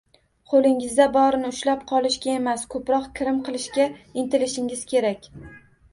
Qo’lingizda borini ushlab qolishga emas, ko’proq kirim qilishga intilishingiz kerak